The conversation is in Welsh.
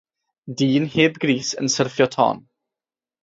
Dyn heb grys yn syrffio ton.